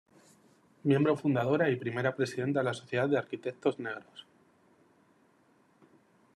Miembro fundadora y primera presidenta de la Sociedad de Arquitectos Negros.